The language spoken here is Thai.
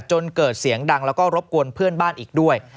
จนเกิดเสียงดังแล้วก็รบกวนเพื่อนบ้านอีกด้วย